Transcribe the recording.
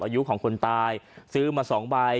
อายุของคนตายซื้อมา๒ใบ